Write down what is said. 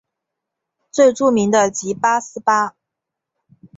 最著名的即八思巴。